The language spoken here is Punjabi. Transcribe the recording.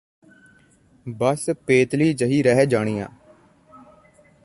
ਬੱਸ ਪੇਤਲੀ ਜਿਹੀ ਰਹਿ ਜਾਣੀ ਆਂ